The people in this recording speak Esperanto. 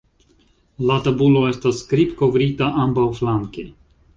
La tabulo estas skrib-kovrita ambaŭflanke.